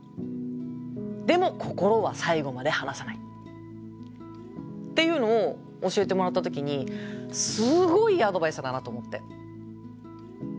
でもっていうのを教えてもらった時にすごいいいアドバイスだなと思って。